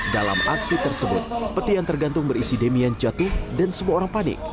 dalam aksi tersebut peti yang tergantung berisi demian jatuh dan semua orang panik